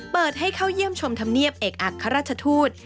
เปิดให้เข้าเยี่ยมชมธรรมเนียบเอกอัครราชทูต